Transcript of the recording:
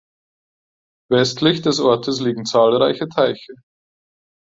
Westlich des Ortes liegen zahlreiche Teiche.